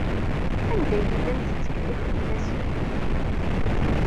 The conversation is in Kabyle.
Anda ay tellamt tettkellixemt-asen?